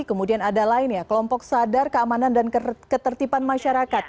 kemudian ada lain ya kelompok sadar keamanan dan ketertiban masyarakat